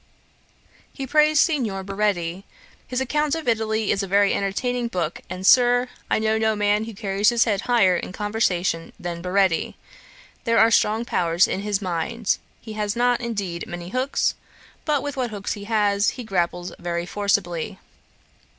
He praised Signor Baretti. 'His account of Italy is a very entertaining book; and, Sir, I know no man who carries his head higher in conversation than Baretti. There are strong powers in his mind. He has not, indeed, many hooks; but with what hooks he has, he grapples very forcibly.'